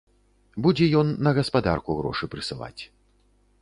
Будзе ён на гаспадарку грошы прысылаць.